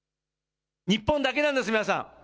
日本だけなんです、皆さん。